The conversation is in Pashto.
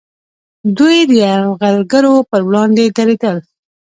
دوی د یرغلګرو پر وړاندې دریدل